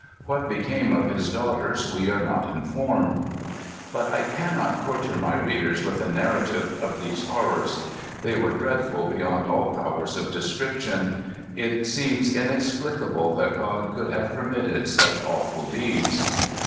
What became of his daughters we are not informed. But I cannot torture my readers with a narrative of these horrors. They were dreadful beyond all powers of description. It seems inexplicable that God could have permitted such awful deeds.